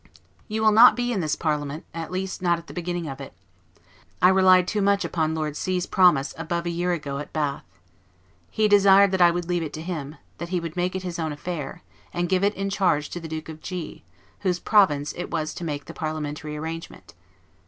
You will not be in this parliament, at least not at the beginning of it. I relied too much upon Lord C 's promise above a year ago at Bath. He desired that I would leave it to him; that he would make it his own affair, and give it in charge to the Duke of G , whose province it was to make the parliamentary arrangement.